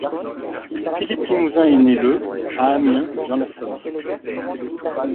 Philippe Limousin est né le à Amiens dans la Somme.